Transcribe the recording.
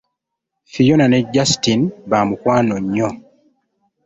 Phiona ne Justine bamukwano nnyo.